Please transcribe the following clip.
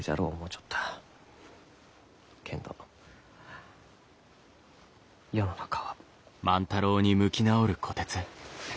けんど世の中は。